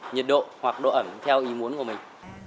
nhiệt độ hoặc độ ẩm theo ý muốn của mình